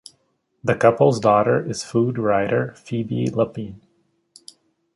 The couple's daughter is food writer, Phoebe Lapine.